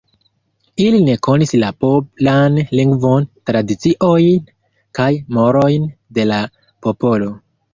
Ili ne konis la polan lingvon, tradiciojn kaj morojn de la popolo.